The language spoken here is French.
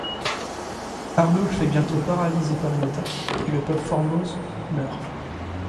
Arnulf est bientôt paralysé par une attaque et le pape Formose meurt.